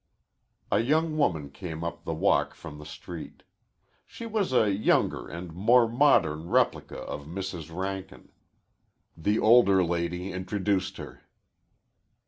A young woman came up the walk from the street. She was a younger and more modern replica of Mrs. Rankin. The older lady introduced her.